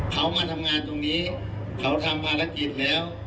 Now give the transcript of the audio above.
เขามาทำงานตรงนี้เขาทำภารกิจแล้ว